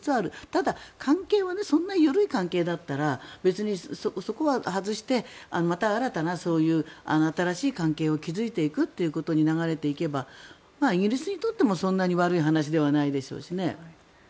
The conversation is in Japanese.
ただ、関係はそんなに緩い関係だったら別にそこは外してまた新たな新しい関係を築いていくということに流れていけばイギリスにとってもそんなに悪い話ではないでしょうしね。